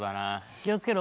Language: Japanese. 気を付けろ。